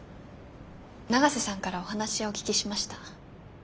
永瀬さんからお話はお聞きしました。